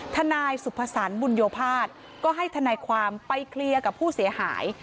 นายสุภสรรบุญโยภาษก็ให้ทนายความไปเคลียร์กับผู้เสียหาย